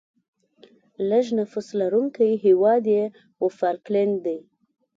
لیږ نفوس لرونکی هیواد یې وفالکلند دی.